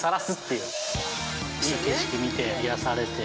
いい景色見て、癒されて。